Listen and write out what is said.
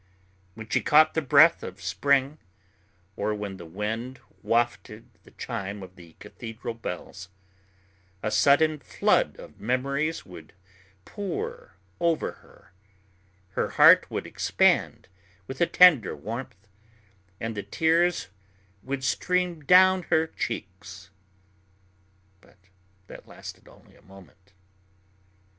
When she caught the breath of spring, or when the wind wafted the chime of the cathedral bells, a sudden flood of memories would pour over her, her heart would expand with a tender warmth, and the tears would stream down her cheeks. But that lasted only a moment.